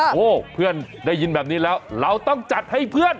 โอ้โหเพื่อนได้ยินแบบนี้แล้วเราต้องจัดให้เพื่อน